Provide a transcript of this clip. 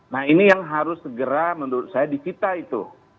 nah ini yang harus segera menurut saya dicita itu